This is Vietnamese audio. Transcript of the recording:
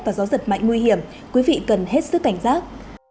và gió giật mạnh nguy hiểm quý vị cần hết sức cảnh giác